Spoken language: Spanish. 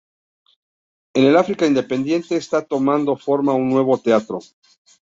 En el África independiente está tomando forma un nuevo teatro.